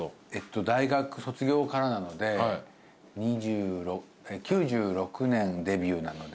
大学卒業からなので９６年デビューなので。